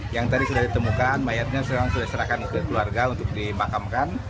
yang tadi sudah ditemukan mayatnya sekarang sudah diserahkan ke keluarga untuk dimakamkan